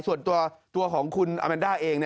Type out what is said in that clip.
ส่วนตัวของคุณอาแมนด้าเอง